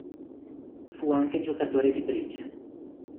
Fu anche giocatore di bridge.